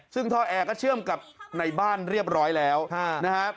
ซึ่งท่อแอร์ก็เชื่อมกับในบ้านเรียบร้อยแล้วนะครับ